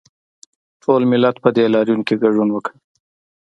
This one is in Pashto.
ټول ملت په دې لاریون کې ګډون وکړ